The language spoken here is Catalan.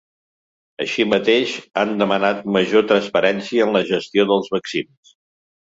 Així mateix, han demanat major transparència en la gestió dels vaccins.